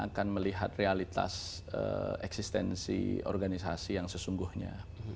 akan melihat realitas eksistensi organisasi yang sesungguhnya